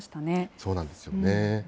そうなんですよね。